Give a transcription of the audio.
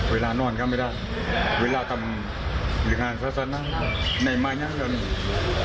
เวลานอนค่ะไม่ได้เวลาทำเรื่องศาสนาในมายังอย่างนี้